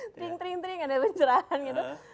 tring tring tring ada pencerahan gitu